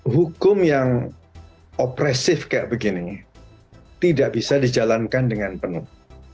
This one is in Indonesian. hukum yang opresif kayak begini tidak bisa dijalankan dengan penuh